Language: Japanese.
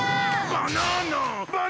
バナナ！